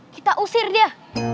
kita usir dia